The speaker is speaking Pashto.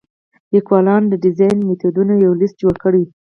لیکوالانو د ډیزاین میتودونو یو لیست جوړ کړی.